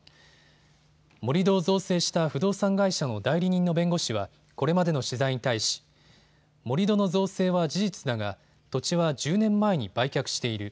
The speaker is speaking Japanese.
盛り土を造成した不動産会社の代理人の弁護士はこれまでの取材に対し、盛り土の造成は事実だが土地は１０年前に売却している。